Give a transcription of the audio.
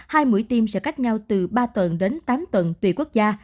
hai mũi tiêm sẽ cách nhau từ ba tuần đến tám tuần tùy quốc gia